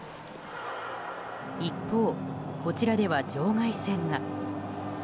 一方、こちらでは場外戦が。